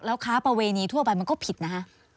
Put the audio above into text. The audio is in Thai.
แล้วค้าประเวณีทั่วไปมันก็ผิดนะฮะ